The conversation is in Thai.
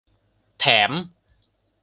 แถม